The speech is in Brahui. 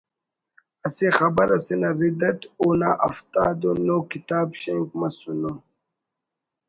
اسہ خبر اسے نا رد اٹ اونا ہفتاد و نُو کتاب شینک مسنو